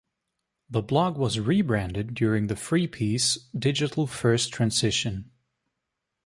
The blog was rebranded during the FreeP's digital-first transition.